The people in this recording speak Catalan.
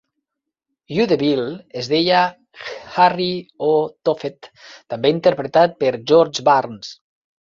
'You Devil' es deia Harry O. Tophet, també interpretat per George Burns.